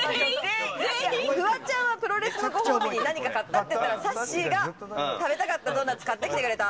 フワちゃんはプロレスのご褒美に何か買った？って言ったら、さっしーが食べたかったドーナツ買ってきてくれた。